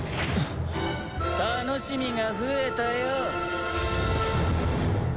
楽しみが増えたよ。